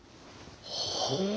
ほう。